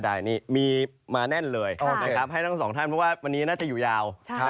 ได้นี่มีมาแน่นเลยนะครับให้ทั้งสองท่านเพราะว่าวันนี้น่าจะอยู่ยาว